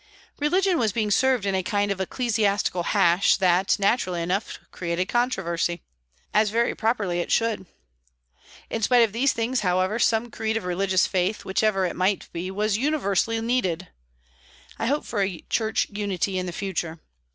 Religion was being served in a kind of ecclesiastical hash that, naturally enough, created controversy, as very properly it should. In spite of these things, however, some creed of religious faith, whichever it might be, was universally needed. I hope for a church unity in the future.